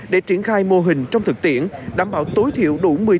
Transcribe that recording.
để triển khai mô hình trong thực tiễn đảm bảo tối thiểu đủ một mươi tám cán bộ chiến sĩ